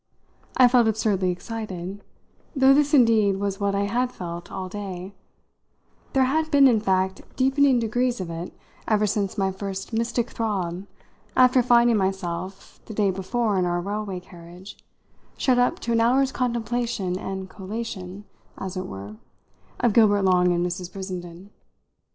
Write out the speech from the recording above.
I felt absurdly excited, though this indeed was what I had felt all day; there had been in fact deepening degrees of it ever since my first mystic throb after finding myself, the day before in our railway carriage, shut up to an hour's contemplation and collation, as it were, of Gilbert Long and Mrs. Brissenden.